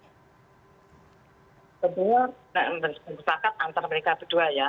sebenarnya tidak disepakati antara mereka berdua ya